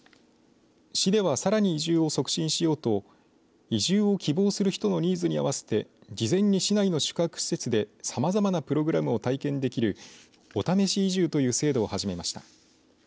市では、さらに移住を促進しようと移住を希望する人のニーズに合わせて事前に市内の宿泊施設でさまざまなプログラムを体験できるおためし移住という制度を始めました。